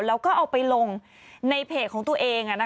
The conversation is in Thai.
แล้วก็เอาไปลงในเพจของตัวเอง